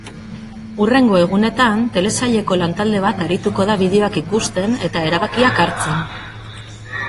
Hurrengo egunetan, telesaileko lantalde bat arituko da bideoak ikusten eta erabakiak hartzen.